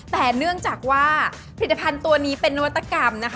แต่เนื่องจากว่าผลิตภัณฑ์ตัวนี้เป็นนวัตกรรมนะคะ